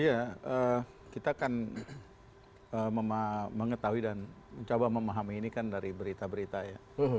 iya kita kan mengetahui dan mencoba memahami ini kan dari berita berita ya